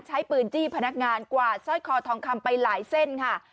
ใช้ปืนจี้พนักงานกวาดสร้อยคอทองคำไปหลายเส้นค่ะ